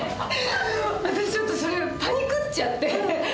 私ちょっとそれパニクっちゃって。